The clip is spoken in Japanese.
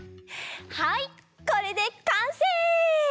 はいこれでかんせい！